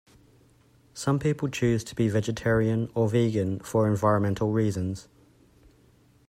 Some people choose to be vegetarian or vegan for environmental reasons.